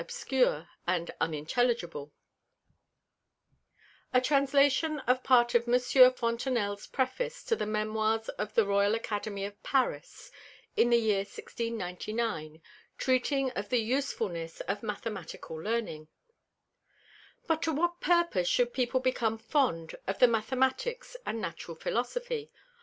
D. F. R. S._ 371 _A Translation of Part of Monsieur Fontenelle's Preface to the Memoirs of the Royal Academy at Paris, in the Year 1699. treating of the Usefulness of Mathematical Learning._ But to what purpose should People become fond of the Mathematicks and Natural Philosophy.